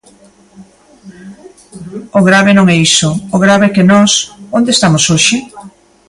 O grave non é iso, o grave é que nós, ¿onde estamos hoxe?